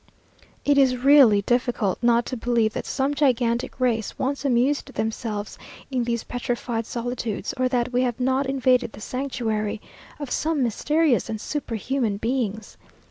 It is really difficult not to believe that some gigantic race once amused themselves in these petrified solitudes, or that we have not invaded the sanctuary of some mysterious and superhuman beings.